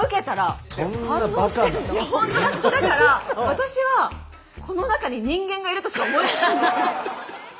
私はこの中に人間がいるとしか思えないんです。